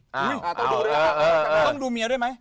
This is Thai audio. ต้องดูด้วยต้องดูเมียด้วยไหม